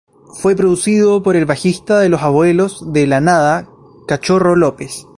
Fue producido por el bajista de Los Abuelos de la Nada, Cachorro López.